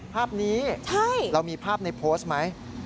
ภาพนี้เรามีภาพในโพสต์ไหม